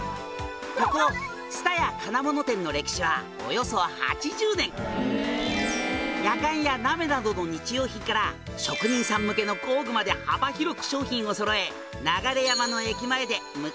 「ここつ田屋金物店の歴史はおよそ８０年」「やかんや鍋などの日用品から職人さん向けの工具まで幅広く商品をそろえ流山の」